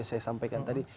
yang saya sampaikan tadi